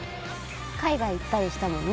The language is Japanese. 海外行ったりしたもんね